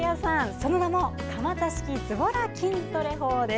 その名も鎌田式ズボラ筋トレ法。